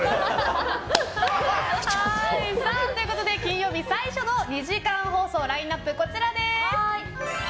金曜日最初の２時間放送のラインアップ、こちらです。